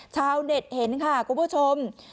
ชาวเน็ตเห็นค่ะคุณผู้ชม